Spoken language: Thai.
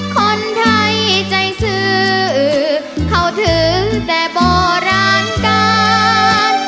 คนไทยใจสื่อเขาถือแต่บ่อร้านกาล